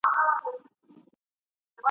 په ننګرهار کي د خپلواکۍ په وياړ غونډه وسوه.